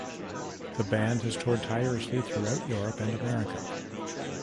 The band has toured tirelessly throughout Europe and America.